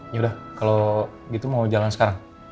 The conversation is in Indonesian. yaudah kalo gitu mau jalan sekarang